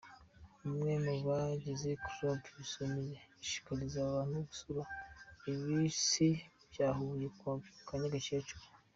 Bamwe mu bagize Club Ibisumizi ishishikariza abantu gusura ibisi bya Huye kwa Nyagakecuru.